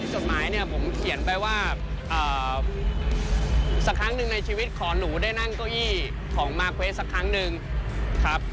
จดหมายเนี่ยผมเขียนไปว่าสักครั้งหนึ่งในชีวิตขอหนูได้นั่งเก้าอี้ของมาร์เกวสสักครั้งหนึ่งครับ